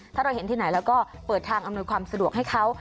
ถ้าเราเห็นที่ไหนแล้วก็เปิดทางอำนวยความสะดวกให้เขา